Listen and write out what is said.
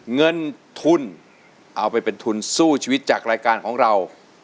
เงินทุนเอาไปเป็นทุนสู้ชีวิตจากรายการของเรา